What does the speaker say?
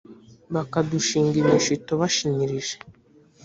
bakadushinga imishito bashinyirije